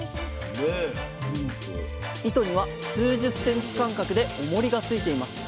糸には数十センチ間隔でおもりがついています。